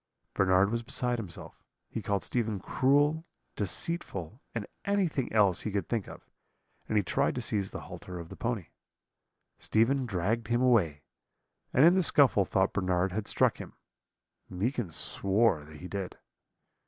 "Bernard was beside himself; he called Stephen cruel, deceitful, and anything else he could think of, and he tried to seize the halter of the pony. "Stephen dragged him away, and in the scuffle thought Bernard had struck him; Meekin swore that he did.